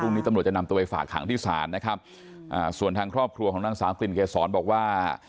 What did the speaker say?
นี้ตำรวจจะนำตัวไปฝากขังที่ศาลนะครับอ่าส่วนทางครอบครัวของนางสาวกลิ่นเกษรบอกว่า